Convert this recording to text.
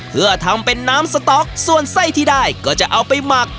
เพื่อทำเป็นน้ำสต๊อกส่วนไส้ที่ได้ก็จะเอาไปหมัก